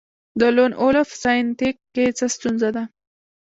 د لون وولف ساینتیک کې څه ستونزه ده